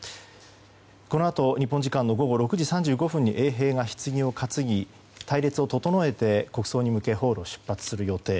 このあと、日本時間の午後６時３５分に衛兵がひつぎを担ぎ隊列を整えて国葬に向けホールを出発する予定。